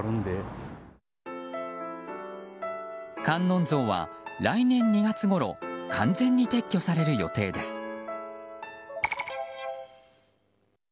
観音像は来年２月ごろ完全に撤去される予定です。